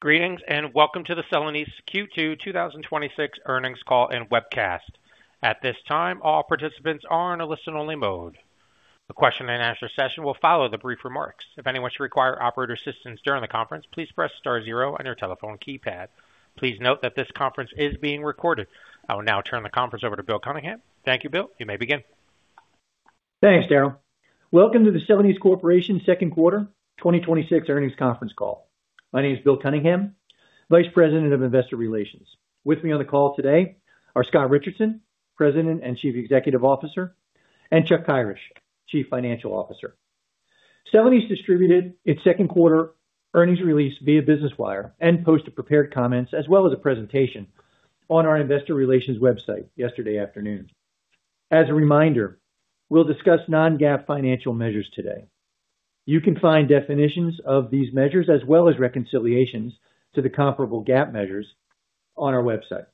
Greetings. Welcome to the Celanese Q2 2026 Earnings Call and Webcast. At this time, all participants are in a listen-only mode. The question-and-answer session will follow the brief remarks. If anyone should require operator assistance during the conference, please press star zero on your telephone keypad. Please note that this conference is being recorded. I will now turn the conference over to Bill Cunningham. Thank you, Bill. You may begin. Thanks, Daryl. Welcome to the Celanese Corporation second quarter 2026 earnings conference call. My name is Bill Cunningham, Vice President of Investor Relations. With me on the call today are Scott Richardson, President and Chief Executive Officer, and Chuck Kyrish, Chief Financial Officer. Celanese distributed its second quarter earnings release via Business Wire and posted prepared comments as well as a presentation on our investor relations website yesterday afternoon. As a reminder, we'll discuss non-GAAP financial measures today. You can find definitions of these measures as well as reconciliations to the comparable GAAP measures on our website.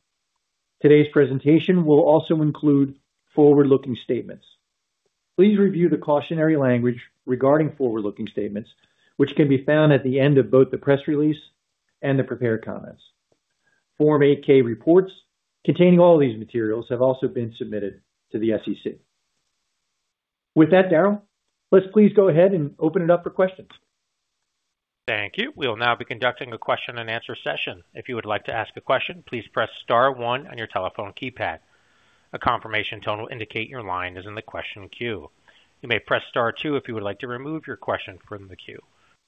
Today's presentation will also include forward-looking statements. Please review the cautionary language regarding forward-looking statements, which can be found at the end of both the press release and the prepared comments. Form 8-K reports containing all these materials have also been submitted to the SEC. With that, Daryl, let's please go ahead and open it up for questions. Thank you. We will now be conducting a question-and-answer session. If you would like to ask a question, please press star one on your telephone keypad. A confirmation tone will indicate your line is in the question queue. You may press star two if you would like to remove your question from the queue.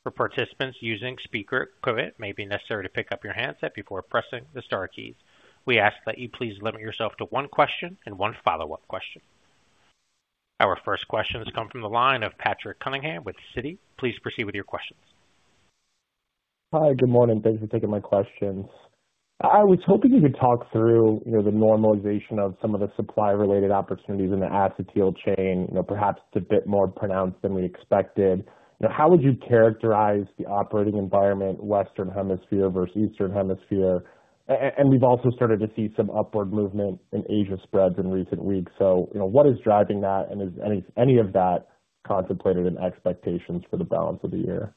For participants using speaker equipment, it may be necessary to pick up your handset before pressing the star keys. We ask that you please limit yourself to one question and one follow-up question. Our first question has come from the line of Patrick Cunningham with Citi. Please proceed with your questions. Hi. Good morning. Thanks for taking my questions. I was hoping you could talk through the normalization of some of the supply-related opportunities in the Acetyl Chain. Perhaps it's a bit more pronounced than we expected. How would you characterize the operating environment, Western Hemisphere versus Eastern Hemisphere? We've also started to see some upward movement in Asia spreads in recent weeks. What is driving that, and is any of that contemplated in expectations for the balance of the year?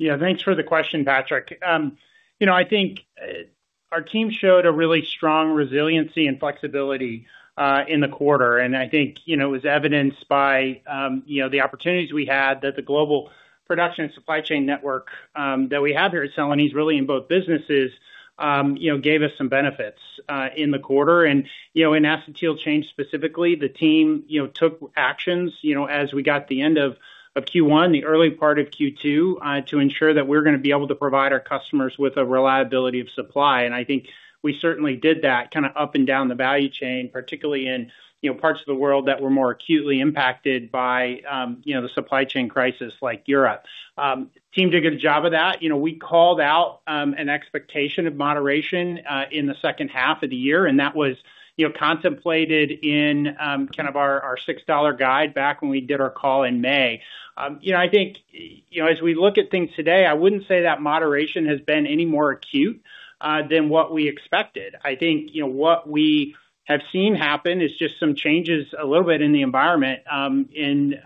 Thanks for the question, Patrick. I think our team showed a really strong resiliency and flexibility in the quarter, and I think it was evidenced by the opportunities we had that the global production and supply chain network that we have here at Celanese, really in both businesses, gave us some benefits in the quarter. In Acetyl Chain specifically, the team took actions as we got to the end of Q1, the early part of Q2, to ensure that we're going to be able to provide our customers with a reliability of supply. I think we certainly did that up and down the value chain, particularly in parts of the world that were more acutely impacted by the supply chain crisis, like Europe. Team did a good job of that. We called out an expectation of moderation in the second half of the year, and that was contemplated in our $6 guide back when we did our call in May. I think as we look at things today, I wouldn't say that moderation has been any more acute than what we expected. I think what we have seen happen is just some changes a little bit in the environment, and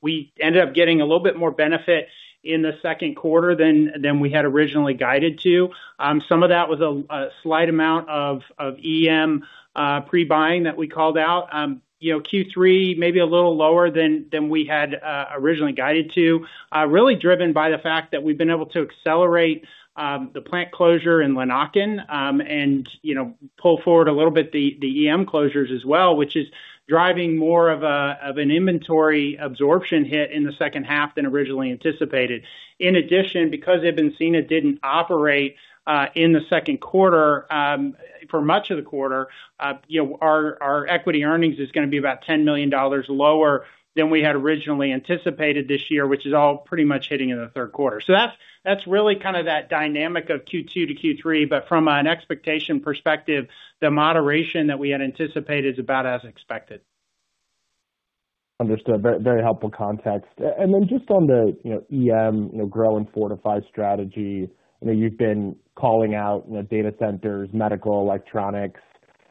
we ended up getting a little bit more benefit in the second quarter than we had originally guided to. Some of that was a slight amount of EM pre-buying that we called out. Q3 may be a little lower than we had originally guided to, really driven by the fact that we've been able to accelerate the plant closure in Lanaken and pull forward a little bit the EM closures as well, which is driving more of an inventory absorption hit in the second half than originally anticipated. In addition, because Ibn Sina didn't operate in the second quarter for much of the quarter, our equity earnings is going to be about $10 million lower than we had originally anticipated this year, which is all pretty much hitting in the third quarter. That's really that dynamic of Q2 to Q3. From an expectation perspective, the moderation that we had anticipated is about as expected. Understood. Very helpful context. Just on the EM grow and fortify strategy, you've been calling out data centers, medical electronics.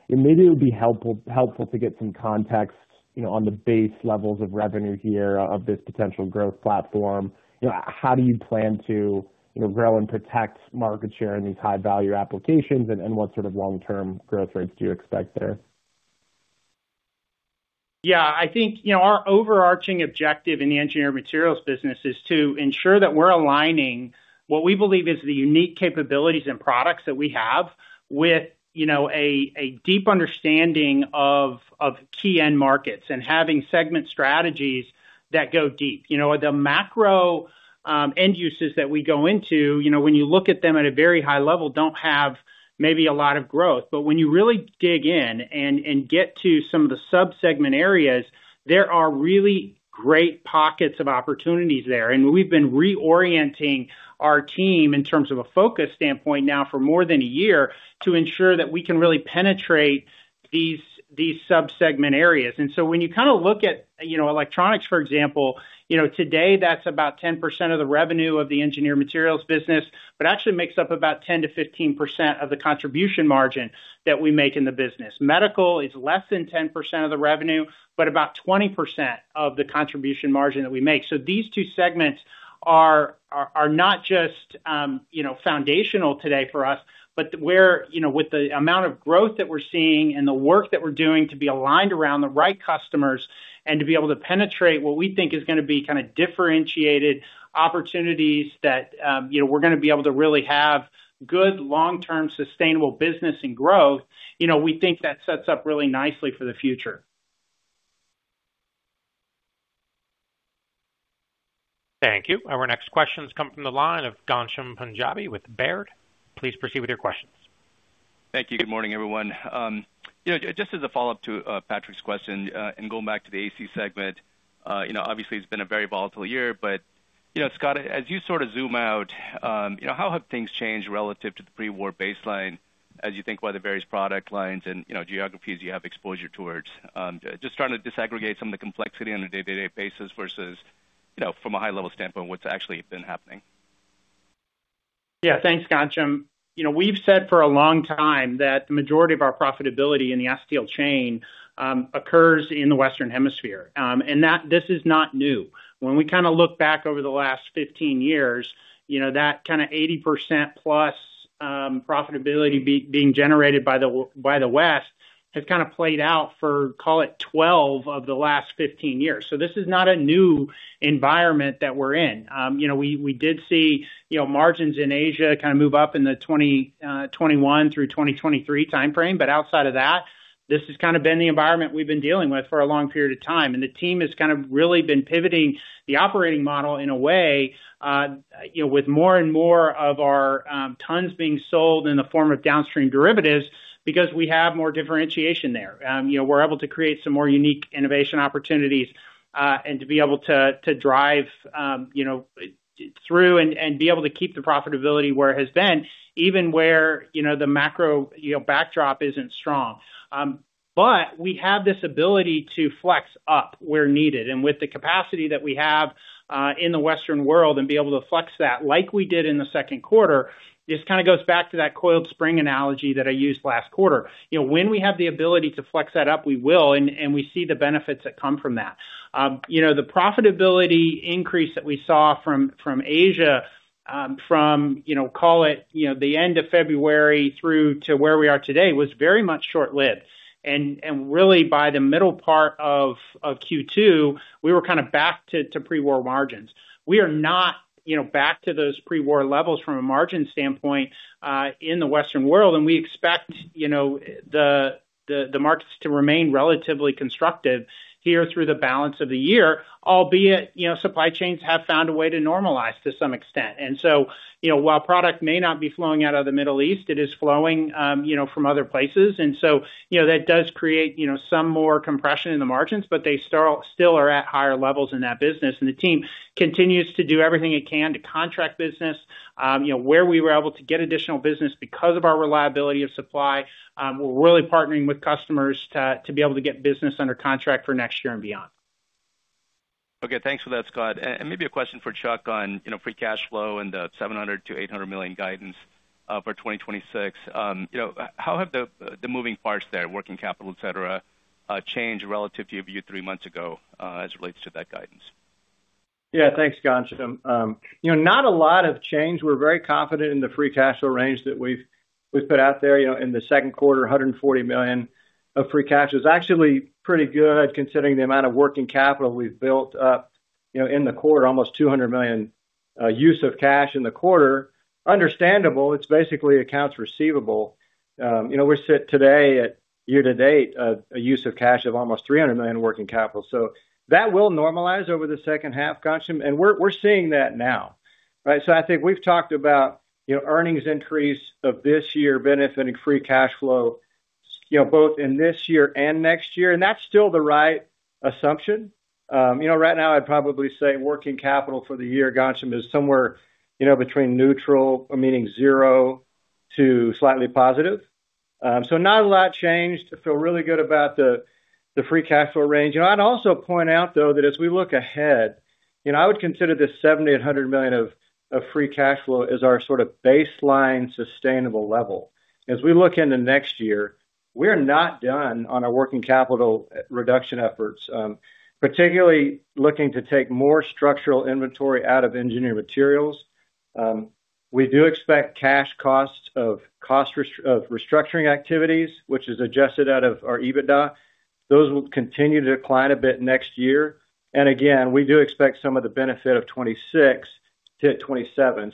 Maybe it would be helpful to get some context on the base levels of revenue here of this potential growth platform. How do you plan to grow and protect market share in these high-value applications, and what sort of long-term growth rates do you expect there? I think our overarching objective in the Engineered Materials business is to ensure that we're aligning what we believe is the unique capabilities and products that we have with a deep understanding of key end markets and having segment strategies that go deep. The macro end uses that we go into, when you look at them at a very high level, don't have maybe a lot of growth. When you really dig in and get to some of the sub-segment areas, there are really great pockets of opportunities there. We've been reorienting our team in terms of a focus standpoint now for more than a year to ensure that we can really penetrate these sub-segment areas. When you look at electronics, for example, today that's about 10% of the revenue of the Engineered Materials business, but actually makes up about 10%-15% of the contribution margin that we make in the business. Medical is less than 10% of the revenue, but about 20% of the contribution margin that we make. These two segments are not just foundational today for us, but with the amount of growth that we're seeing and the work that we're doing to be aligned around the right customers and to be able to penetrate what we think is going to be differentiated opportunities that we're going to be able to really have good long-term sustainable business and growth. We think that sets up really nicely for the future. Thank you. Our next questions come from the line of Ghansham Panjabi with Baird. Please proceed with your questions. Thank you. Good morning, everyone. Going back to the AC segment. Obviously, it's been a very volatile year, Scott, as you zoom out, how have things changed relative to the pre-war baseline as you think about the various product lines and geographies you have exposure towards? Just trying to disaggregate some of the complexity on a day-to-day basis versus from a high level standpoint, what's actually been happening. Yeah. Thanks, Ghansham. We've said for a long time that the majority of our profitability in the Acetyl Chain occurs in the Western Hemisphere. This is not new. When we look back over the last 15 years, that kind of +80% profitability being generated by the West has played out for, call it, 12 of the last 15 years. This is not a new environment that we're in. We did see margins in Asia move up in the 2021 through 2023 timeframe. Outside of that, this has been the environment we've been dealing with for a long period of time. The team has really been pivoting the operating model in a way, with more and more of our tons being sold in the form of downstream derivatives because we have more differentiation there. We're able to create some more unique innovation opportunities, and to be able to drive through and be able to keep the profitability where it has been, even where the macro backdrop isn't strong. We have this ability to flex up where needed and with the capacity that we have, in the Western world, and be able to flex that like we did in the second quarter. Just goes back to that coiled spring analogy that I used last quarter. When we have the ability to flex that up, we will, and we see the benefits that come from that. The profitability increase that we saw from Asia, from call it the end of February through to where we are today, was very much short-lived. Really by the middle part of Q2, we were back to pre-war margins. We are not back to those pre-war levels from a margin standpoint, in the Western world. We expect the markets to remain relatively constructive here through the balance of the year, albeit, supply chains have found a way to normalize to some extent. While product may not be flowing out of the Middle East, it is flowing from other places. That does create some more compression in the margins, but they still are at higher levels in that business. The team continues to do everything it can to contract business where we were able to get additional business because of our reliability of supply. We're really partnering with customers to be able to get business under contract for next year and beyond. Okay. Thanks for that, Scott. Maybe a question for Chuck on free cash flow and the $700 million-$800 million guidance for 2026. How have the moving parts there, working capital, et cetera, changed relative to your view three months ago, as it relates to that guidance? Yeah. Thanks, Ghansham. Not a lot has changed. We're very confident in the free cash flow range that we've put out there. In the second quarter, $140 million of free cash is actually pretty good considering the amount of working capital we've built up in the quarter, almost $200 million use of cash in the quarter. Understandable, it's basically accounts receivable. We sit today at year-to-date, a use of cash of almost $300 million working capital. That will normalize over the second half, Ghansham, we're seeing that now, right? I think we've talked about earnings increase of this year benefiting free cash flow both in this year and next year, and that's still the right assumption. Right now, I'd probably say working capital for the year, Ghansham, is somewhere between neutral, meaning zero, to slightly positive. Not a lot changed. I feel really good about the free cash flow range. I'd also point out, though, that as we look ahead, I would consider this $700 million-$800 million of free cash flow as our sort of baseline sustainable level. As we look into next year, we are not done on our working capital reduction efforts. Particularly looking to take more structural inventory out of Engineered Materials. We do expect cash costs of restructuring activities, which is adjusted out of our EBITDA. Those will continue to decline a bit next year. Again, we do expect some of the benefit of 2026 to hit 2027.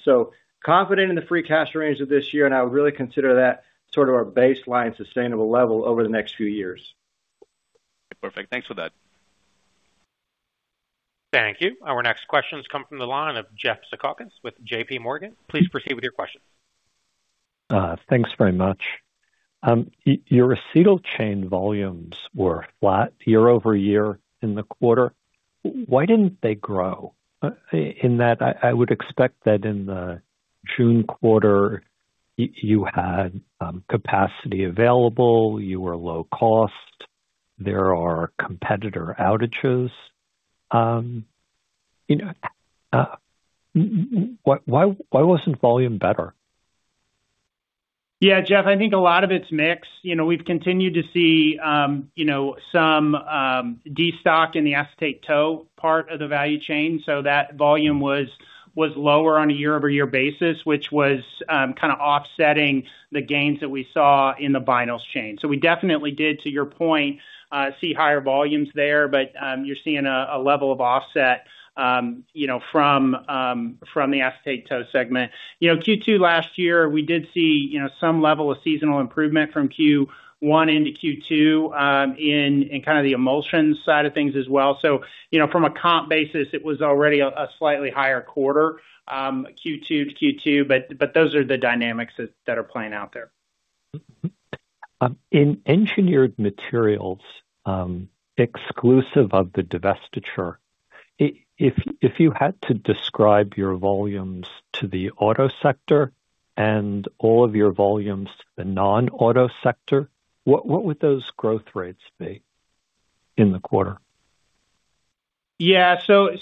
Confident in the free cash range of this year, I would really consider that sort of our baseline sustainable level over the next few years. Perfect. Thanks for that. Thank you. Our next questions come from the line of Jeff Zekauskas with J.P. Morgan. Please proceed with your question. Thanks very much. Your Acetyl Chain volumes were flat year-over-year in the quarter. Why didn't they grow? I would expect that in the June quarter, you had capacity available, you were low cost. There are competitor outages. Why wasn't volume better? Jeff, I think a lot of it's mix. We've continued to see some destock in the acetate tow part of the value chain. That volume was lower on a year-over-year basis, which was kind of offsetting the gains that we saw in the vinyls chain. We definitely did, to your point, see higher volumes there, but you're seeing a level of offset from the acetate tow segment. Q2 last year, we did see some level of seasonal improvement from Q1 into Q2 in kind of the emulsion side of things as well. From a comp basis, it was already a slightly higher quarter, Q2 to Q2, but those are the dynamics that are playing out there. In Engineered Materials, exclusive of the divestiture, if you had to describe your volumes to the auto sector and all of your volumes to the non-auto sector, what would those growth rates be in the quarter? Auto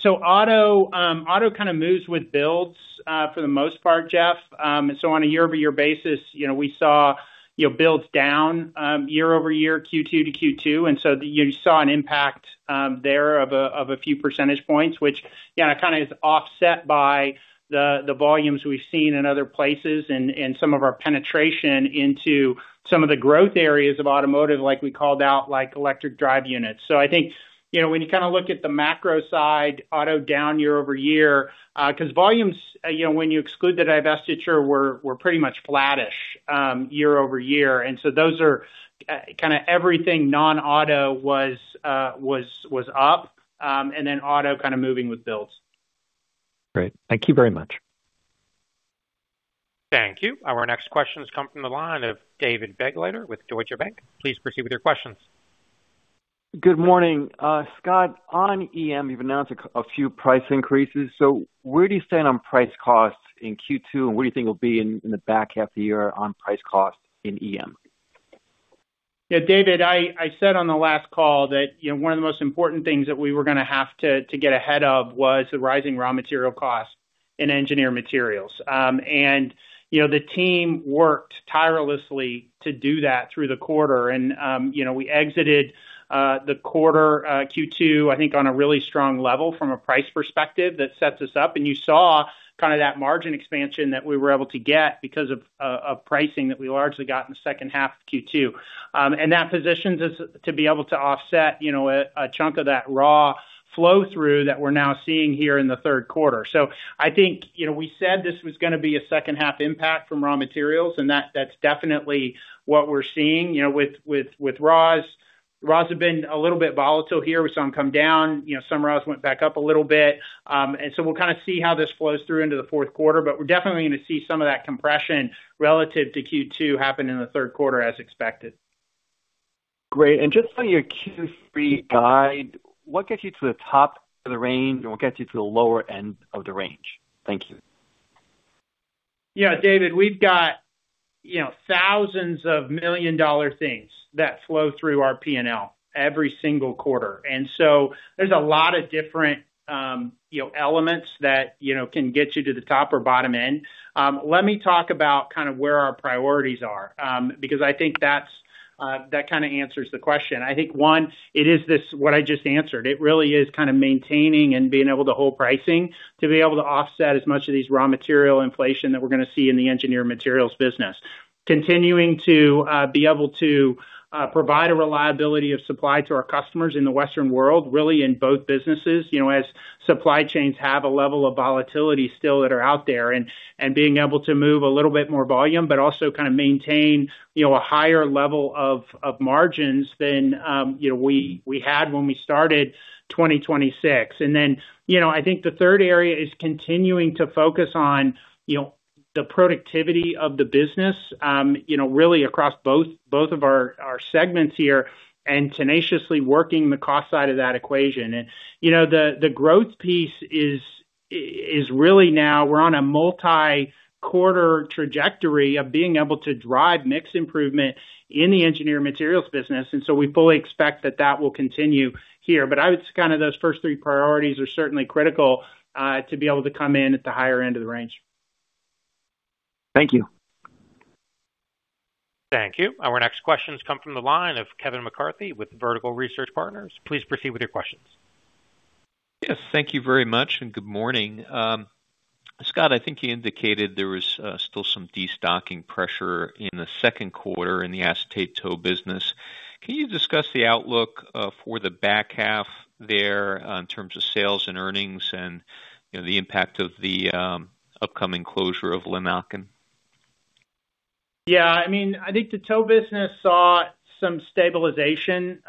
kind of moves with builds for the most part, Jeff. On a year-over-year basis, we saw builds down year-over-year, Q2 to Q2. You saw an impact there of a few percentage points, which kind of is offset by the volumes we've seen in other places and some of our penetration into some of the growth areas of automotive, like we called out, like electric drive units. I think, when you kind of look at the macro side, auto down year-over-year. Because volumes, when you exclude the divestiture, were pretty much flattish year-over-year. Those are kind of everything non-auto was up, and then auto kind of moving with builds. Great. Thank you very much. Thank you. Our next questions come from the line of David Begleiter with Deutsche Bank. Please proceed with your questions. Good morning. Scott, on EM, you've announced a few price increases. Where do you stand on price costs in Q2, and where do you think it'll be in the back half of the year on price cost in EM? David, I said on the last call that one of the most important things that we were going to have to get ahead of was the rising raw material costs in engineered materials. The team worked tirelessly to do that through the quarter. We exited Q2, I think, on a really strong level from a price perspective that sets us up. You saw kind of that margin expansion that we were able to get because of pricing that we largely got in the second half of Q2. That positions us to be able to offset a chunk of that raw flow-through that we're now seeing here in the third quarter. I think we said this was going to be a second-half impact from raw materials, and that's definitely what we're seeing with raws. Raws have been a little bit volatile here. We saw them come down, some raws went back up a little bit. We'll kind of see how this flows through into the fourth quarter, but we're definitely going to see some of that compression relative to Q2 happen in the third quarter as expected. Great. Just on your Q3 guide, what gets you to the top of the range and what gets you to the lower end of the range? Thank you. David, we've got thousands of million-dollar things that flow through our P&L every single quarter. There's a lot of different elements that can get you to the top or bottom end. Let me talk about kind of where our priorities are, because I think that kind of answers the question. I think, one, it is this, what I just answered. It really is kind of maintaining and being able to hold pricing to be able to offset as much of these raw material inflation that we're going to see in the Engineered Materials business. Continuing to be able to provide a reliability of supply to our customers in the Western world, really in both businesses, as supply chains have a level of volatility still that are out there, and being able to move a little bit more volume, but also kind of maintain a higher level of margins than we had when we started 2026. I think the third area is continuing to focus on the productivity of the business, really across both of our segments here, and tenaciously working the cost side of that equation. The growth piece is really now we're on a multi-quarter trajectory of being able to drive mix improvement in the Engineered Materials business. We fully expect that that will continue here. I would say kind of those first three priorities are certainly critical to be able to come in at the higher end of the range. Thank you. Thank you. Our next questions come from the line of Kevin McCarthy with Vertical Research Partners. Please proceed with your questions. Yes, thank you very much, and good morning. Scott, I think you indicated there was still some destocking pressure in the second quarter in the Acetate Tow business. Can you discuss the outlook for the back half there in terms of sales and earnings and the impact of the upcoming closure of Lanaken? I think the tow business saw some stabilization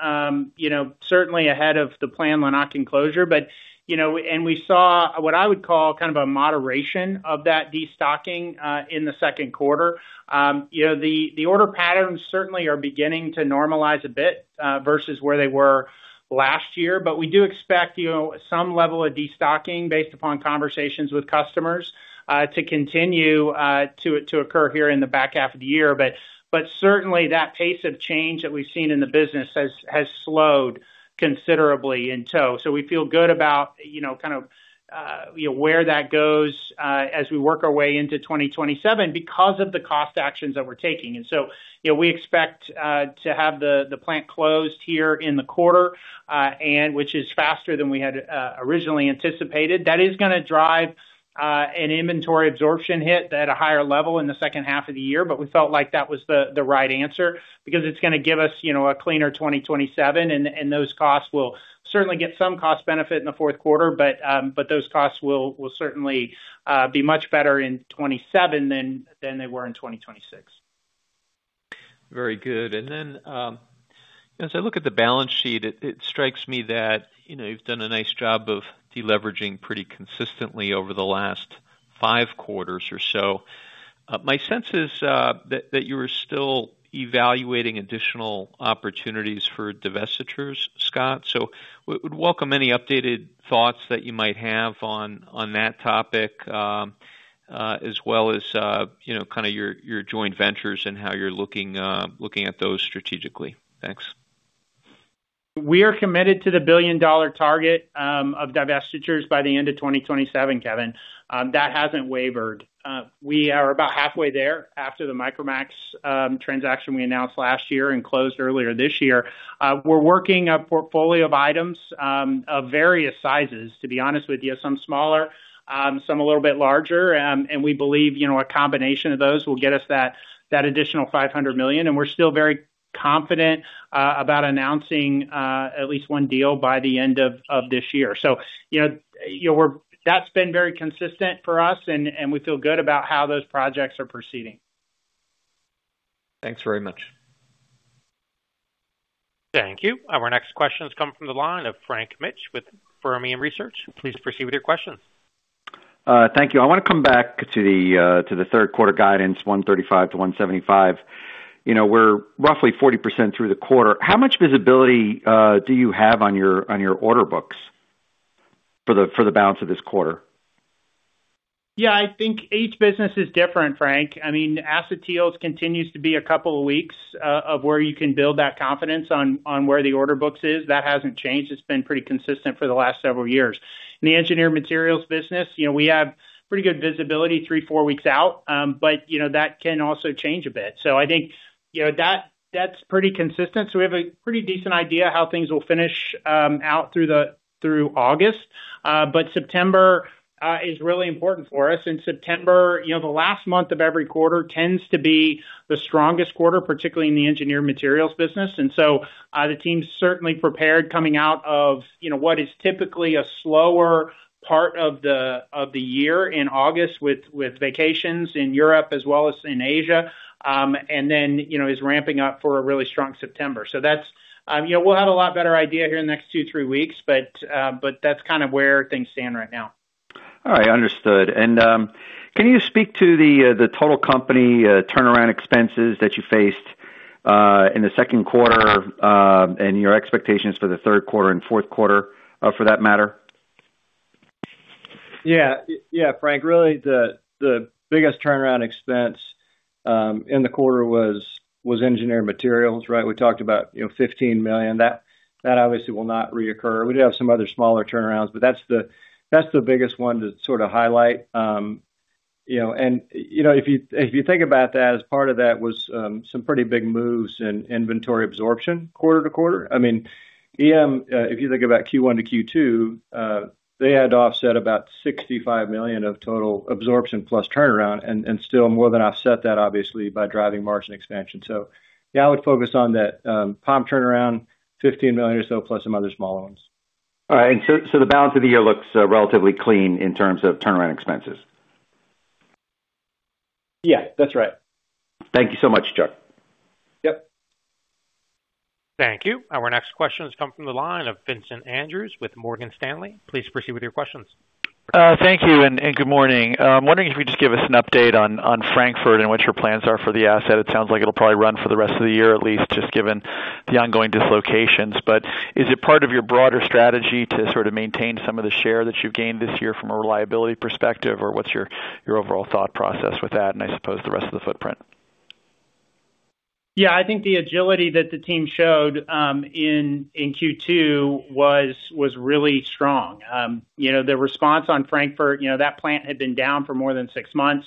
certainly ahead of the planned Lanaken closure. We saw what I would call a moderation of that destocking in the second quarter. The order patterns certainly are beginning to normalize a bit versus where they were last year. We do expect some level of destocking based upon conversations with customers to continue to occur here in the back half of the year. Certainly that pace of change that we've seen in the business has slowed considerably in tow. We feel good about where that goes as we work our way into 2027 because of the cost actions that we're taking. We expect to have the plant closed here in the quarter, which is faster than we had originally anticipated. That is going to drive an inventory absorption hit at a higher level in the second half of the year. We felt like that was the right answer because it's going to give us a cleaner 2027, and those costs will certainly get some cost benefit in the fourth quarter. Those costs will certainly be much better in 2027 than they were in 2026. Very good. As I look at the balance sheet, it strikes me that you've done a nice job of deleveraging pretty consistently over the last five quarters or so. My sense is that you are still evaluating additional opportunities for divestitures, Scott, would welcome any updated thoughts that you might have on that topic, as well as your joint ventures and how you're looking at those strategically. Thanks. We are committed to the billion-dollar target of divestitures by the end of 2027, Kevin. That hasn't wavered. We are about halfway there after the Micromax transaction we announced last year and closed earlier this year. We're working a portfolio of items of various sizes, to be honest with you, some smaller, some a little bit larger. We believe a combination of those will get us that additional $500 million, and we're still very confident about announcing at least one deal by the end of this year. That's been very consistent for us, and we feel good about how those projects are proceeding. Thanks very much. Thank you. Our next question is coming from the line of Frank Mitsch with Fermium Research. Please proceed with your question. Thank you. I want to come back to the third quarter guidance, $135-$175. We're roughly 40% through the quarter. How much visibility do you have on your order books for the balance of this quarter? I think each business is different, Frank. Acetyls continues to be a couple of weeks of where you can build that confidence on where the order books is. That hasn't changed. It's been pretty consistent for the last several years. In the Engineered Materials business, we have pretty good visibility three, four weeks out. That can also change a bit. I think that's pretty consistent. We have a pretty decent idea how things will finish out through August. September is really important for us. In September, the last month of every quarter tends to be the strongest quarter, particularly in the Engineered Materials business. The team's certainly prepared coming out of what is typically a slower part of the year in August with vacations in Europe as well as in Asia. Is ramping up for a really strong September. We'll have a lot better idea here in the next two, three weeks, but that's kind of where things stand right now. All right. Understood. Can you speak to the total company turnaround expenses that you faced in the second quarter, and your expectations for the third quarter and fourth quarter for that matter? Frank, really the biggest turnaround expense in the quarter was engineered materials, right? We talked about $15 million. That obviously will not reoccur. We do have some other smaller turnarounds, but that's the biggest one to sort of highlight. If you think about that, as part of that was some pretty big moves in inventory absorption quarter-over-quarter. EM, if you think about Q1 to Q2, they had to offset about $65 million of total absorption plus turnaround, and still more than offset that obviously by driving margin expansion. I would focus on that POM turnaround, $15 million or so, plus some other small ones. All right. The balance of the year looks relatively clean in terms of turnaround expenses. Yeah, that's right. Thank you so much, Chuck. Yep. Thank you. Our next question has come from the line of Vincent Andrews with Morgan Stanley. Please proceed with your questions. Thank you, and good morning. I'm wondering if you could just give us an update on Frankfurt and what your plans are for the asset. It sounds like it'll probably run for the rest of the year at least, just given the ongoing dislocations. Is it part of your broader strategy to sort of maintain some of the share that you've gained this year from a reliability perspective, or what's your overall thought process with that, and I suppose the rest of the footprint? Yeah, I think the agility that the team showed in Q2 was really strong. The response on Frankfurt, that plant had been down for more than six months.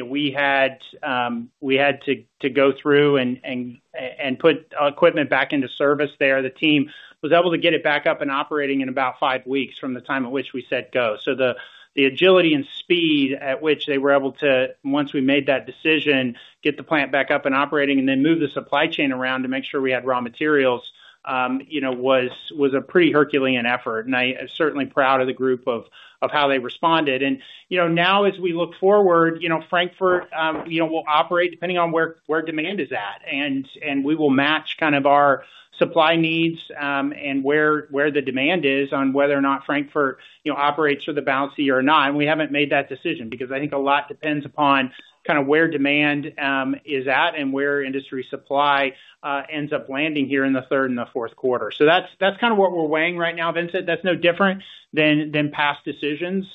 We had to go through and put equipment back into service there. The team was able to get it back up and operating in about five weeks from the time at which we said go. The agility and speed at which they were able to, once we made that decision, get the plant back up and operating, and then move the supply chain around to make sure we had raw materials was a pretty Herculean effort, and I am certainly proud of the group of how they responded. Now as we look forward, Frankfurt will operate depending on where demand is at. We will match our supply needs, and where the demand is on whether or not Frankfurt operates for the balance of the year or not. We haven't made that decision, because I think a lot depends upon where demand is at and where industry supply ends up landing here in the third and the fourth quarter. That's what we're weighing right now, Vincent. That's no different than past decisions.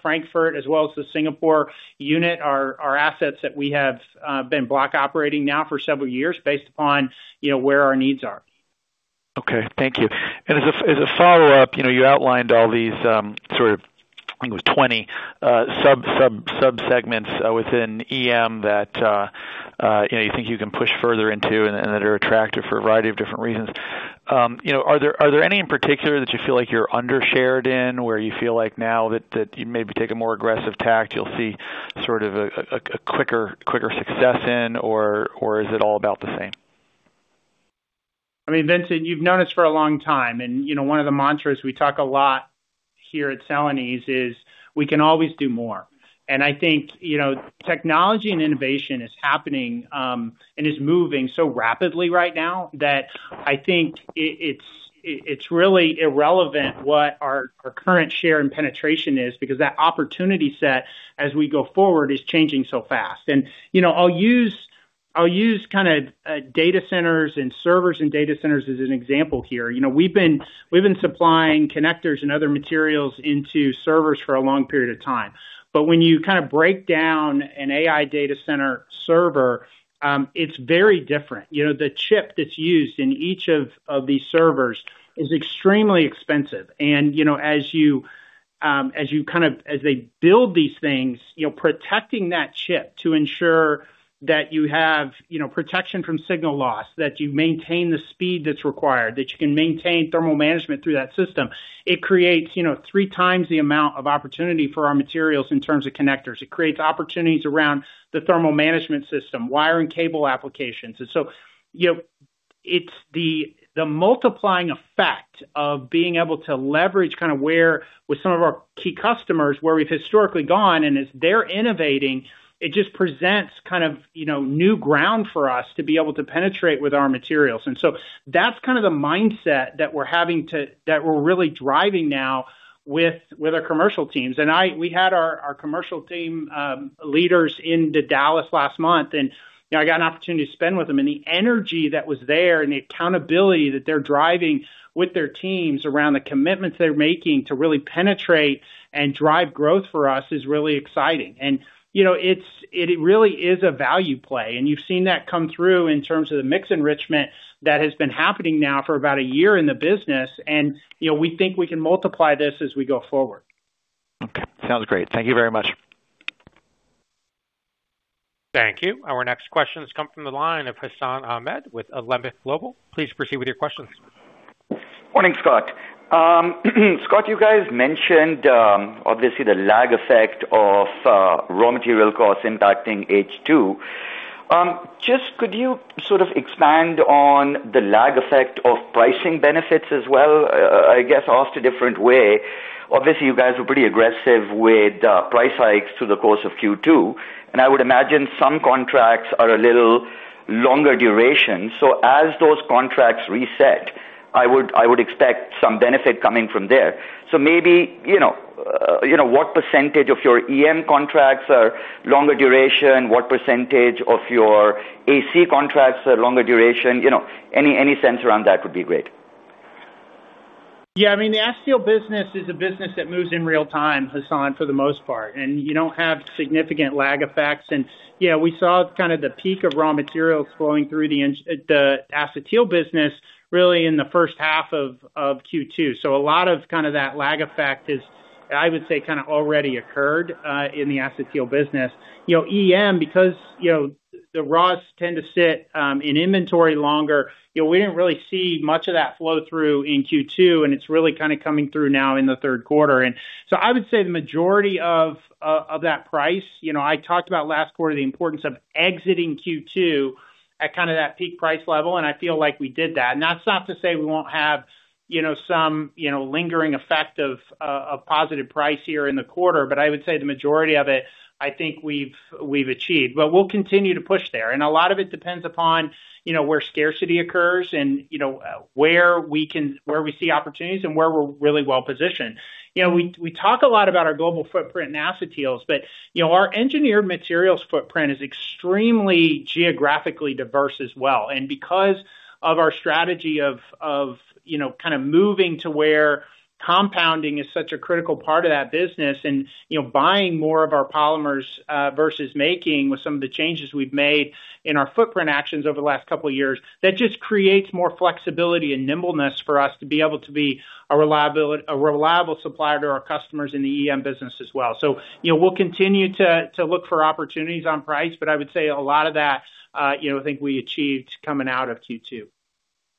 Frankfurt as well as the Singapore unit are assets that we have been block operating now for several years based upon where our needs are. Okay. Thank you. As a follow-up, you outlined all these sort of, I think it was 20 sub-segments within EM that you think you can push further into and that are attractive for a variety of different reasons. Are there any in particular that you feel like you're under-shared in, where you feel like now that you maybe take a more aggressive tact, you'll see sort of a quicker success in, or is it all about the same? Vincent, you've known us for a long time, one of the mantras we talk a lot here at Celanese is we can always do more. I think, technology and innovation is happening, is moving so rapidly right now that I think it's really irrelevant what our current share and penetration is, because that opportunity set as we go forward is changing so fast. I'll use data centers and servers and data centers as an example here. We've been supplying connectors and other materials into servers for a long period of time. When you break down an AI data center server, it's very different. The chip that's used in each of these servers is extremely expensive. As they build these things, protecting that chip to ensure that you have protection from signal loss, that you maintain the speed that's required, that you can maintain thermal management through that system, it creates three times the amount of opportunity for our materials in terms of connectors. It creates opportunities around the thermal management system, wire and cable applications. So, it's the multiplying effect of being able to leverage with some of our key customers, where we've historically gone, as they're innovating, it just presents new ground for us to be able to penetrate with our materials. So that's the mindset that we're really driving now with our commercial teams. We had our commercial team leaders into Dallas last month, I got an opportunity to spend with them. The energy that was there and the accountability that they're driving with their teams around the commitments they're making to really penetrate and drive growth for us is really exciting. It really is a value play, you've seen that come through in terms of the mix enrichment that has been happening now for about a year in the business. We think we can multiply this as we go forward. Okay. Sounds great. Thank you very much. Thank you. Our next question comes from the line of Hassan Ahmed with Alembic Global. Please proceed with your questions. Morning, Scott. Scott, you guys mentioned, obviously the lag effect of raw material costs impacting H2. Could you sort of expand on the lag effect of pricing benefits as well? I guess asked a different way, obviously you guys were pretty aggressive with price hikes through the course of Q2, and I would imagine some contracts are a little longer duration. As those contracts reset, I would expect some benefit coming from there. Maybe, what percentage of your EM contracts are longer duration? What percentage of your AC contracts are longer duration? Any sense around that would be great. Yeah, the acetyl business is a business that moves in real time, Hassan, for the most part. You don't have significant lag effects. Yeah, we saw kind of the peak of raw materials flowing through the Acetyls business really in the first half of Q2. A lot of that lag effect has, I would say, already occurred in the Acetyls business. EM, because the raws tend to sit in inventory longer, we didn't really see much of that flow-through in Q2, and it's really coming through now in the third quarter. I would say the majority of that price, I talked about last quarter, the importance of exiting Q2 at that peak price level, and I feel like we did that. That's not to say we won't have some lingering effect of a positive price here in the quarter; I would say the majority of it, I think, we've achieved. We'll continue to push there. A lot of it depends upon where scarcity occurs and where we see opportunities and where we're really well positioned. We talk a lot about our global footprint in acetyls, but our engineered materials footprint is extremely geographically diverse as well. Because of our strategy of moving to where compounding is such a critical part of that business and buying more of our polymers versus making with some of the changes we've made in our footprint actions over the last couple of years, that just creates more flexibility and nimbleness for us to be able to be a reliable supplier to our customers in the EM business as well. we'll continue to look for opportunities on price, but I would say a lot of that I think we achieved coming out of Q2.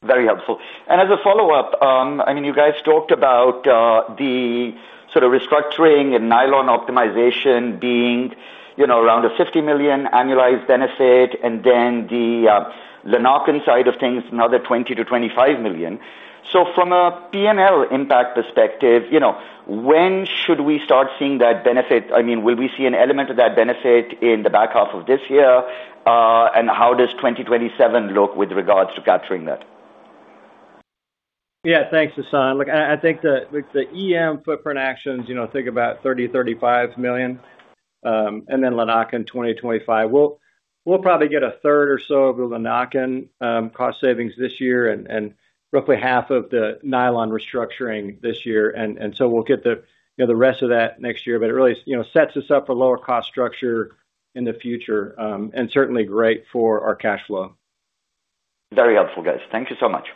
Very helpful. As a follow-up, I mean, you guys talked about the restructuring and nylon optimization being around a $50 million annualized benefit, then the Lanaken side of things, another $20 million-$25 million. From a P&L impact perspective, when should we start seeing that benefit? I mean, will we see an element of that benefit in the back half of this year? How does 2027 look with regard to capturing that? Yeah. Thanks, Hassan. Look, I think the EM footprint actions, think about $30 million-$35 million, then Lanaken $20 million-$25 million. We'll probably get a third or so of the Lanaken cost savings this year and roughly half of the nylon restructuring this year. We'll get the rest of that next year. It really sets us up for lower cost structure in the future, and certainly great for our cash flow. Very helpful, guys. Thank you so much.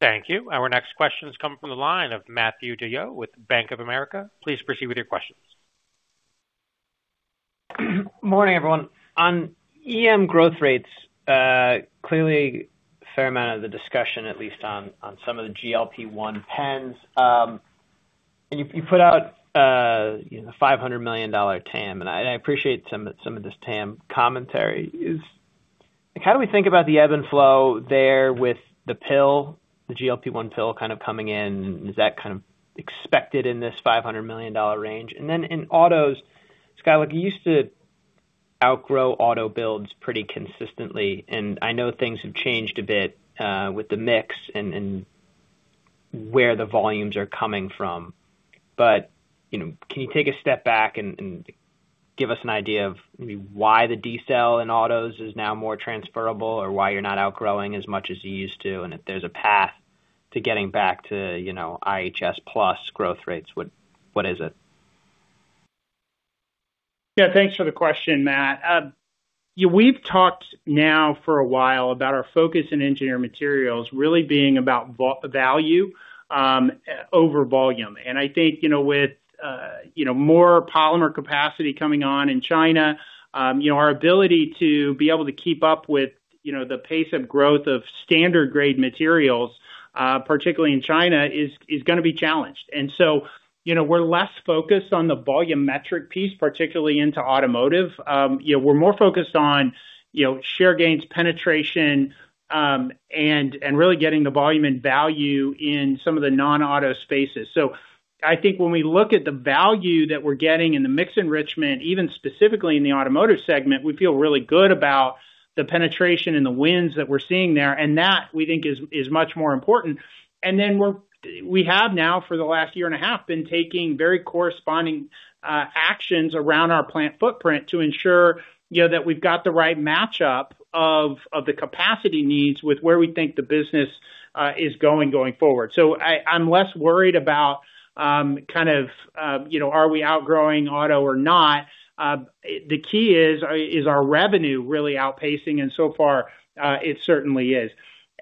Thank you. Our next question is coming from the line of Matthew DeYoe with Bank of America. Please proceed with your questions. Morning, everyone. On EM growth rates, clearly a fair amount of the discussion, at least on some of the GLP-1 pens. You put out a $500 million TAM, and I appreciate some of this TAM commentary is, how do we think about the ebb and flow there with the pill, the GLP-1 pill kind of coming in? Is that kind of expected in this $500 million range? In autos, Scott, you used to outgrow auto builds pretty consistently, and I know things have changed a bit, with the mix and where the volumes are coming from. But can you take a step back and give us an idea of maybe why the D-cell in autos is now more transferable, or why you're not outgrowing as much as you used to, and if there's a path to getting back to IHS plus growth rates, what is it? Yeah, thanks for the question, Matt. We've talked now for a while about our focus in engineered materials really being about value over volume. I think, with more polymer capacity coming on in China, our ability to be able to keep up with the pace of growth of standard grade materials, particularly in China, is going to be challenged. We're less focused on the volumetric piece, particularly in automotive. We're more focused on share gains, penetration, and really getting the volume and value in some of the non-auto spaces. I think when we look at the value that we're getting and the mix enrichment, even specifically in the automotive segment, we feel really good about the penetration and the wins that we're seeing there. That, we think, is much more important. We have now, for the last year and a half, been taking very corresponding actions around our plant footprint to ensure that we've got the right match-up of the capacity needs with where we think the business is going forward. I'm less worried about are we outgrowing auto or not. The key is our revenue really outpacing, and so far, it certainly is.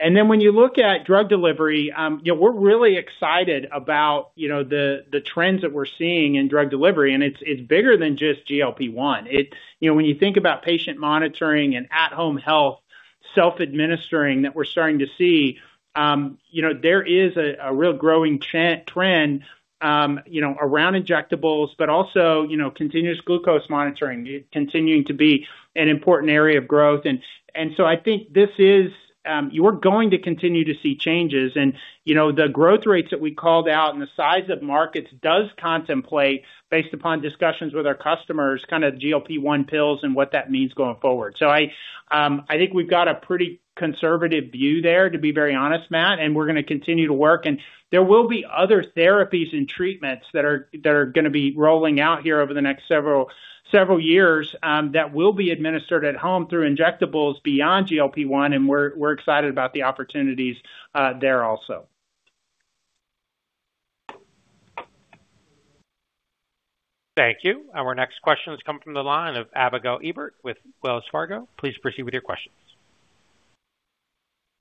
When you look at drug delivery, we're really excited about the trends that we're seeing in drug delivery, and it's bigger than just GLP-1. When you think about patient monitoring and at-home health self-administering that we're starting to see, there is a real growing trend around injectables, but also continuous glucose monitoring continuing to be an important area of growth. I think you're going to continue to see changes. The growth rates that we called out and the size of markets does contemplate, based upon discussions with our customers, kind of GLP-1 pills and what that means going forward. I think we've got a pretty conservative view there, to be very honest, Matt, and we're going to continue to work. There will be other therapies and treatments that are going to be rolling out here over the next several years, that will be administered at home through injectables beyond GLP-1, and we're excited about the opportunities there also. Thank you. Our next question is coming from the line of Abigail Eberts with Wells Fargo. Please proceed with your questions.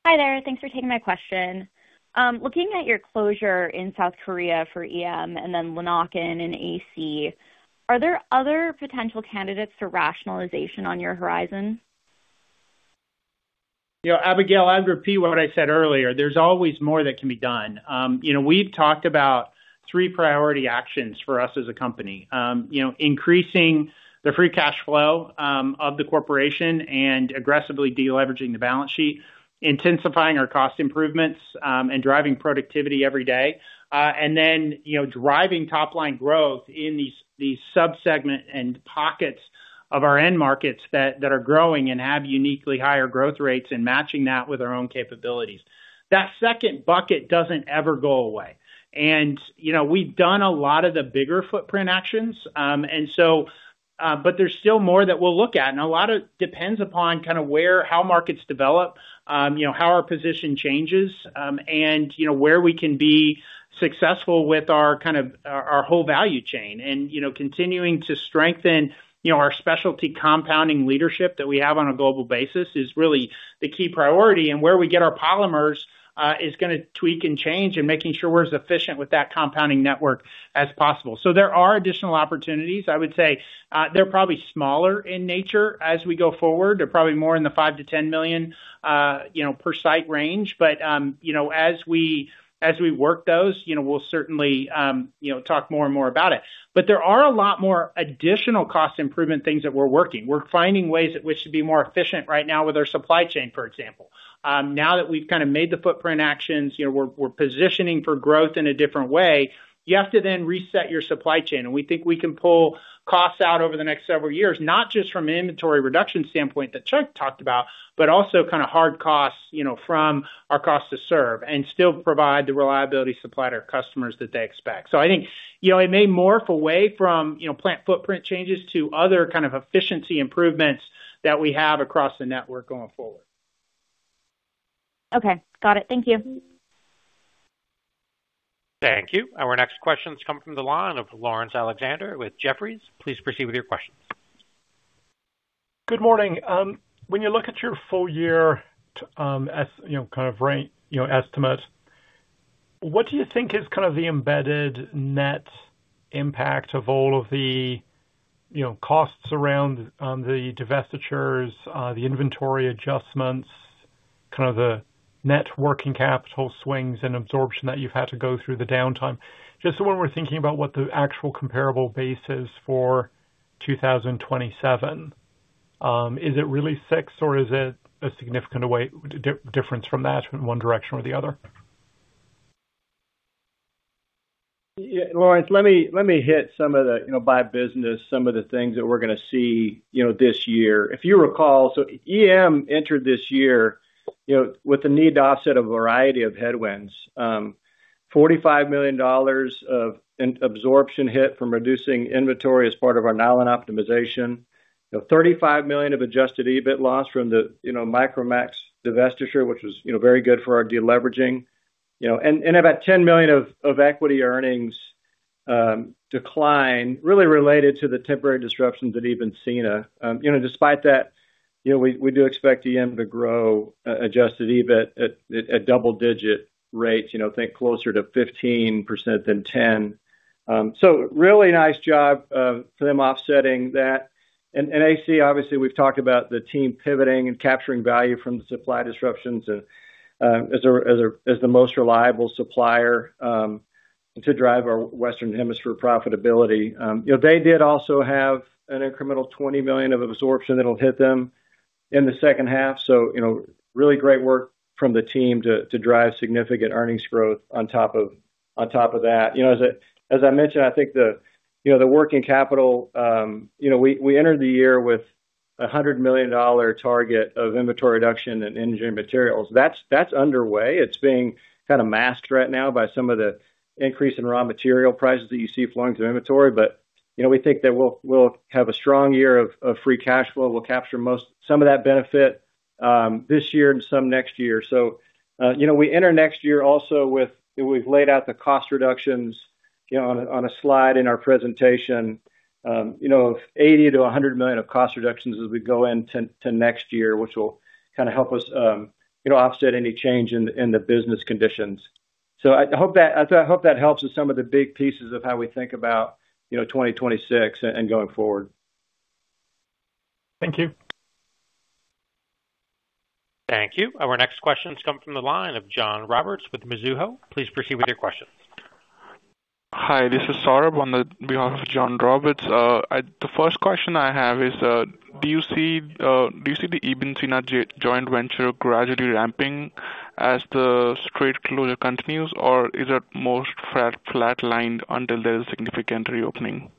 Hi there. Thanks for taking my question. Looking at your closure in South Korea for EM and then Lanaken and AC, are there other potential candidates for rationalization on your horizon? Abigail, I repeat what I said earlier, there's always more that can be done. We've talked about three priority actions for us as a company. Increasing the free cash flow of the corporation and aggressively de-leveraging the balance sheet, intensifying our cost improvements, and driving productivity every day. Then driving top-line growth in these sub-segment and pockets of our end markets that are growing and have uniquely higher growth rates and matching that with our own capabilities. That second bucket doesn't ever go away. We've done a lot of the bigger footprint actions, but there's still more that we'll look at, and a lot of depends upon how markets develop, how our position changes, and where we can be successful with our whole value chain. Continuing to strengthen our specialty compounding leadership that we have on a global basis is really the key priority. Where we get our polymers is going to tweak and change, and making sure we're as efficient with that compounding network as possible. There are additional opportunities. I would say they're probably smaller in nature as we go forward. They're probably more in the $5 million-$10 million per site range. As we work those, we'll certainly talk more and more about it. There are a lot more additional cost improvement things that we're working. We're finding ways at which to be more efficient right now with our supply chain, for example. Now that we've kind of made the footprint actions, we're positioning for growth in a different way. You have to then reset your supply chain, and we think we can pull costs out over the next several years, not just from an inventory reduction standpoint that Chuck talked about, but also kind of hard costs from our cost to serve and still provide the reliability supply to our customers that they expect. I think it may morph away from plant footprint changes to other kind of efficiency improvements that we have across the network going forward. Okay. Got it. Thank you. Thank you. Our next question comes from the line of Laurence Alexander with Jefferies. Please proceed with your questions. Good morning. When you look at your full year estimate, what do you think is kind of the embedded net impact of all of the costs around the divestitures, the inventory adjustments, kind of the net working capital swings and absorption that you've had to go through the downtime? Just when we're thinking about what the actual comparable base is for 2027, is it really six or is it a significant difference from that in one direction or the other? Yeah. Laurence, let me hit some of the business, some of the things that we're going to see this year. If you recall, EM entered this year with the need to offset a variety of headwinds. $45 million of absorption hit from reducing inventory as part of our nylon optimization. $35 million of adjusted EBIT loss from the Micromax divestiture, which was very good for our deleveraging. About $10 million of equity earnings decline really related to the temporary disruptions at Ibn Sina. Despite that, we do expect EM to grow adjusted EBIT at double-digit rates, think closer to 15% than 10%. Really nice job of them offsetting that. In AC, obviously, we've talked about the team pivoting and capturing value from the supply disruptions as the most reliable supplier to drive our Western Hemisphere profitability. They did also have an incremental $20 million of absorption that'll hit them in the second half. Really great work from the team to drive significant earnings growth on top of that. As I mentioned, I think the working capital, we entered the year with a $100 million target of inventory reduction in engineering materials. That's underway. It's being kind of masked right now by some of the increase in raw material prices that you see flowing through inventory. We think that we'll have a strong year of free cash flow. We'll capture some of that benefit this year and some next year. We enter next year also with, we've laid out the cost reductions on a slide in our presentation. $80 million-$100 million of cost reductions as we go into next year, which will kind of help us offset any change in the business conditions. I hope that helps with some of the big pieces of how we think about 2026 and going forward. Thank you. Thank you. Our next question comes from the line of John Roberts with Mizuho. Please proceed with your questions. Hi, this is Saurabh on behalf of John Roberts of Mizuho on behalf of John Roberts. The first question I have is, do you see the Ibn Sina joint venture gradually ramping as the Strait closure continues, or is it most flatlined until there's significant reopening?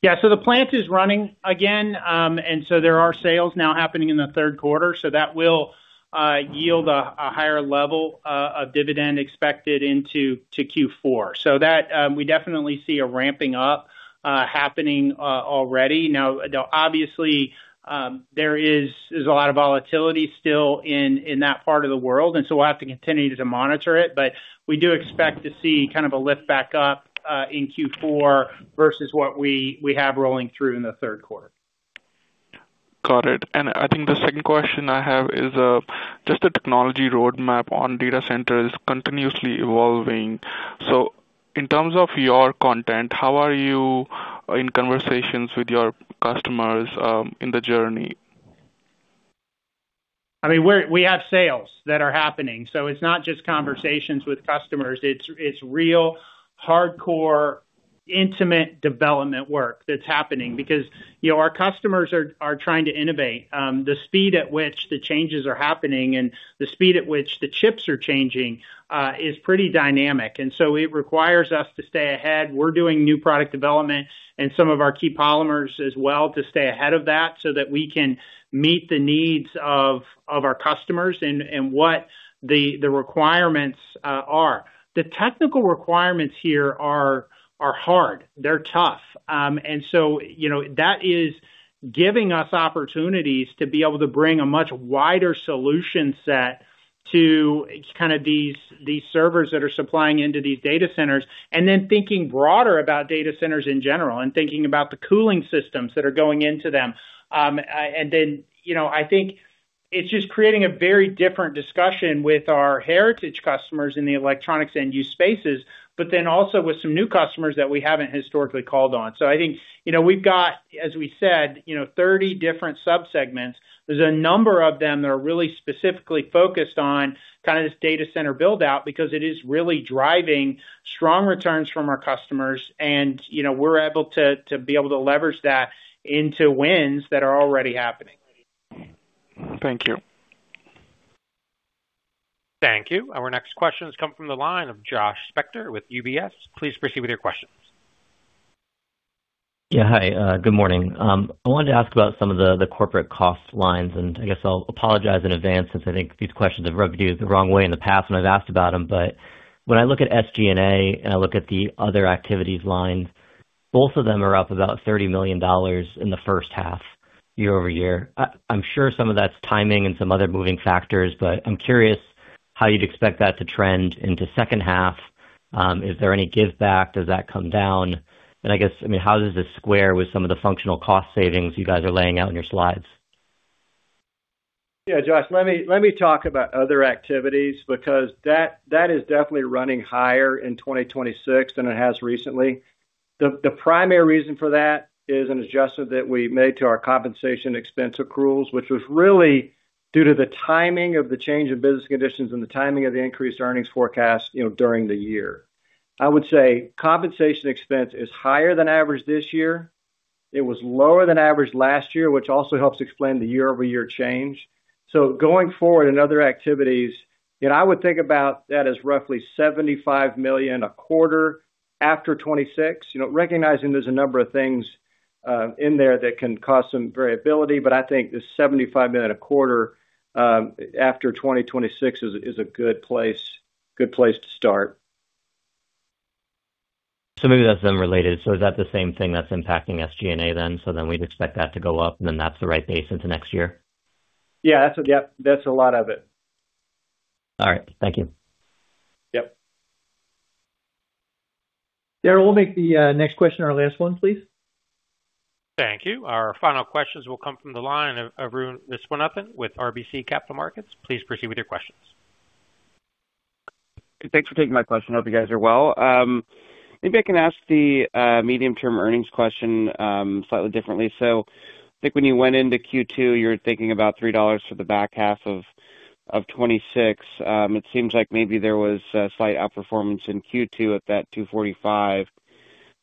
Yeah. The plant is running again. There are sales now happening in the third quarter, so that will yield a higher level of dividend expected into Q4. That, we definitely see a ramping up happening already. Obviously, there is a lot of volatility still in that part of the world, and so we'll have to continue to monitor it. We do expect to see kind of a lift back up in Q4 versus what we have rolling through in the third quarter. Got it. I think the second question I have is just the technology roadmap on data centers continuously evolving. In terms of your content, how are you in conversations with your customers in the journey? We have sales that are happening, it's not just conversations with customers. It's real hardcore, intimate development work that's happening because our customers are trying to innovate. The speed at which the changes are happening and the speed at which the chips are changing is pretty dynamic, it requires us to stay ahead. We're doing new product development in some of our key polymers as well to stay ahead of that we can meet the needs of our customers and what the requirements are. The technical requirements here are hard. They're tough. That is giving us opportunities to be able to bring a much wider solution set to kind of these servers that are supplying into these data centers, thinking broader about data centers in general and thinking about the cooling systems that are going into them. I think it's just creating a very different discussion with our heritage customers in the electronics end use spaces, also with some new customers that we haven't historically called on. I think we've got, as we said, 30 different sub-segments. There's a number of them that are really specifically focused on kind of this data center build-out because it is really driving strong returns from our customers, we're able to be able to leverage that into wins that are already happening. Thank you. Thank you. Our next question is coming from the line of Josh Spector with UBS. Please proceed with your questions. Yeah. Hi, good morning. I wanted to ask about some of the corporate cost lines, and I guess I'll apologize in advance since I think these questions have rubbed you the wrong way in the past when I've asked about them. When I look at SG&A and I look at the other activities lines, both of them are up about $30 million in the first half year-over-year. I'm sure some of that's timing and some other moving factors, but I'm curious how you'd expect that to trend into second half. Is there any giveback? Does that come down? I guess, how does this square with some of the functional cost savings you guys are laying out in your slides? Yeah, Josh, let me talk about other activities because that is definitely running higher in 2026 than it has recently. The primary reason for that is an adjustment that we made to our compensation expense accruals, which was really due to the timing of the change of business conditions and the timing of the increased earnings forecast during the year. I would say compensation expense is higher than average this year. It was lower than average last year, which also helps explain the year-over-year change. Going forward in other activities, I would think about that as roughly $75 million a quarter after 2026. Recognizing there's a number of things in there that can cause some variability, I think the $75 million a quarter after 2026 is a good place to start. Maybe that's then related. Is that the same thing that's impacting SG&A then? We'd expect that to go up, and then that's the right pace into next year? Yeah. That's a lot of it. All right. Thank you. Yep. Daryl, we'll make the next question our last one, please. Thank you. Our final questions will come from the line of Arun Viswanathan with RBC Capital Markets. Please proceed with your questions. Thanks for taking my question. Hope you guys are well. Maybe I can ask the medium-term earnings question slightly differently. I think when you went into Q2, you were thinking about $3 for the back half of 2026. It seems like maybe there was a slight outperformance in Q2 at that $245,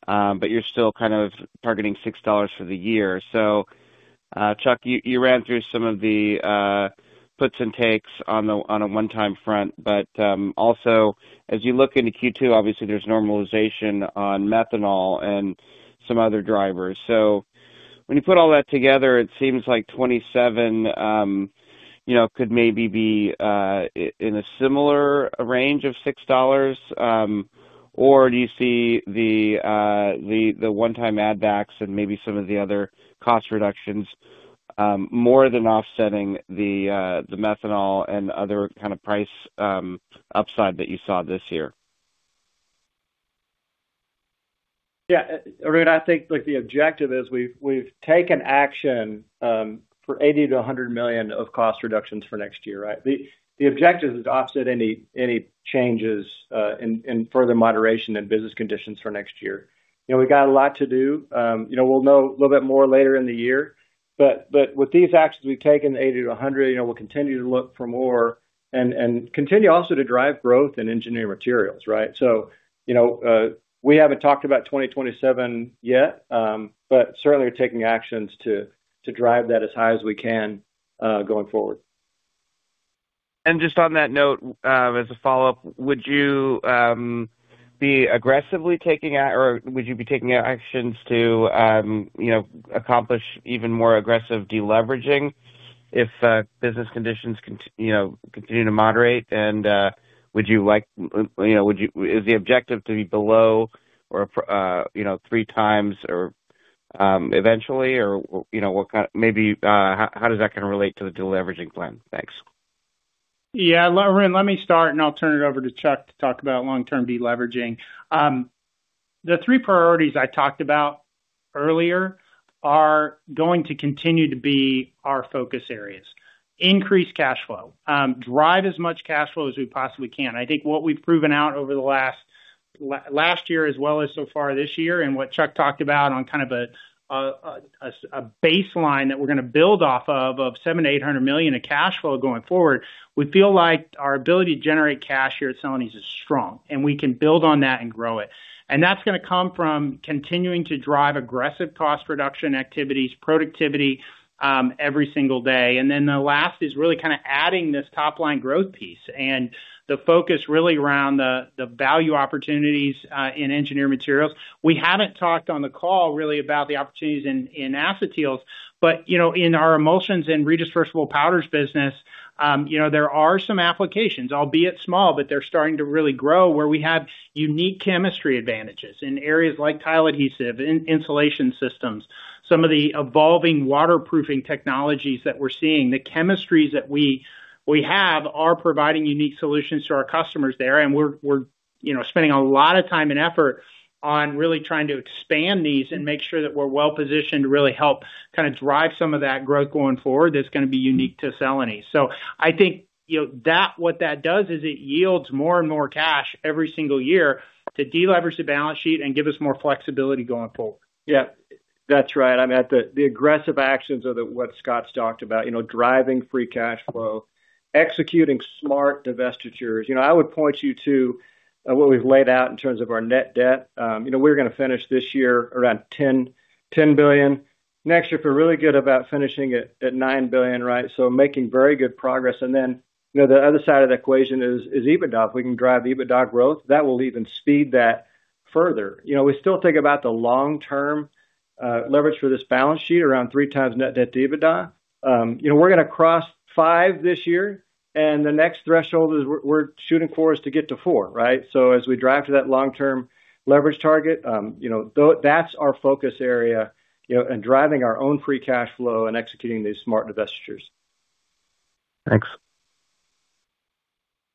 but you're still kind of targeting $6 for the year. Chuck, you ran through some of the puts and takes on a one-time front. Also as you look into Q2, obviously there's normalization on methanol and some other drivers. When you put all that together, it seems like 2027 could maybe be in a similar range of $6. Do you see the one-time add backs and maybe some of the other cost reductions more than offsetting the methanol and other kind of price upside that you saw this year? Yeah, Arun, I think the objective is we've taken action for $80 million-$100 million of cost reductions for next year, right? The objective is to offset any changes in further moderation in business conditions for next year. We've got a lot to do. We'll know a little bit more later in the year. With these actions we've taken, $80 million-$100 million, we'll continue to look for more and continue also to drive growth in engineering materials, right? We haven't talked about 2027 yet, but certainly we're taking actions to drive that as high as we can going forward. Just on that note, as a follow-up, would you be aggressively taking actions to accomplish even more aggressive deleveraging if business conditions continue to moderate? Is the objective to be below or three times eventually or how does that kind of relate to the deleveraging plan? Thanks. Yeah, Arun, let me start and I'll turn it over to Chuck to talk about long-term deleveraging. The three priorities I talked about earlier are going to continue to be our focus areas. Increase cash flow. Drive as much cash flow as we possibly can. I think what we've proven out over the last year as well as so far this year, and what Chuck talked about on kind of a baseline that we're going to build off of $700 million-$800 million of cash flow going forward, we feel like our ability to generate cash here at Celanese is strong, and we can build on that and grow it. That's going to come from continuing to drive aggressive cost reduction activities, productivity every single day. The last is really kind of adding this top-line growth piece and the focus really around the value opportunities in engineered materials. We haven't talked on the call really about the opportunities in acetyls, but in our emulsions and redispersible powders business there are some applications, albeit small, but they're starting to really grow where we have unique chemistry advantages in areas like tile adhesive, in insulation systems, some of the evolving waterproofing technologies that we're seeing. The chemistries that we have are providing unique solutions to our customers there, and we're spending a lot of time and effort on really trying to expand these and make sure that we're well-positioned to really help drive some of that growth going forward that's going to be unique to Celanese. I think what that does is it yields more and more cash every single year to deleverage the balance sheet and give us more flexibility going forward. Yeah. That's right. The aggressive actions are what Scott's talked about, driving free cash flow, executing smart divestitures. I would point you to what we've laid out in terms of our net debt. We're going to finish this year around $10 billion. Next year, feel really good about finishing it at $9 billion, right? Making very good progress. The other side of the equation is EBITDA. If we can drive EBITDA growth, that will even speed that further. We still think about the long-term leverage for this balance sheet around 3x net debt to EBITDA. We're going to cross 5x this year, and the next threshold we're shooting for is to get to 4x, right? As we drive to that long-term leverage target, that's our focus area, and driving our own free cash flow and executing these smart divestitures. Thanks.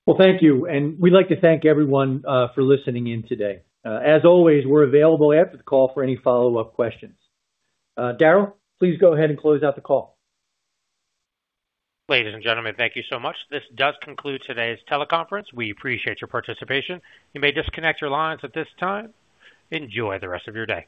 Well, thank you. We'd like to thank everyone for listening in today. As always, we're available after the call for any follow-up questions. Daryl, please go ahead and close out the call. Ladies and gentlemen, thank you so much. This does conclude today's teleconference. We appreciate your participation. You may disconnect your lines at this time. Enjoy the rest of your day.